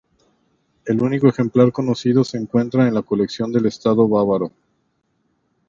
El único ejemplar conocido se encuentra en la Colección del Estado Bávaro.